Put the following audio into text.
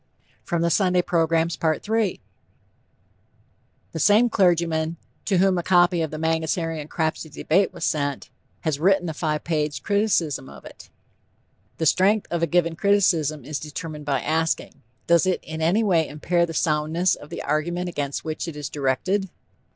III The same clergyman, to whom a copy of the Mangasarian Crapsey Debate was sent, has written a five page criticism of it. The strength of a given criticism is determined by asking: Does it in any way impair the soundness of the argument against which it is directed?